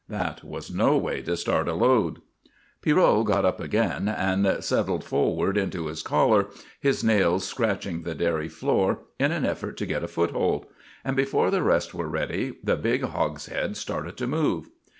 That was no way to start a load. Pierrot got up again and settled forward into his collar, his nails scratching the dairy floor in an effort to get a foothold, and before the rest were ready the big hogshead started to move.